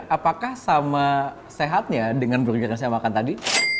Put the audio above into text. apakah sama sehatnya dengan burger yang saya makan tadi